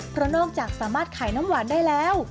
เพราะนอกจากสามารถขายน้ำหวานได้แล้ว